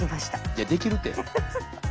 いやできるて。